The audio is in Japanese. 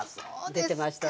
出てましたね。